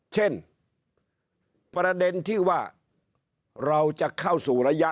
เช่นประเด็นที่ว่าเราจะเข้าสู่ระยะ